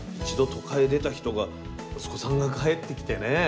一度都会出た人が息子さんが帰ってきてね。